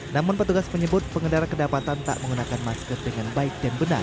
namun petugas menyebut pengendara kedapatan tak menggunakan masker dengan baik dan benar